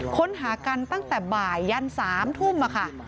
ค้นหากันตั้งแต่บ่ายยัน๓ทุ่มค่ะ